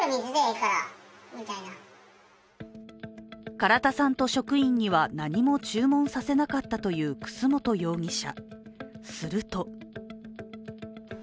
唐田さんと職員には何も注文させなかったという楠本容疑者。